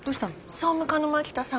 総務課の牧田さん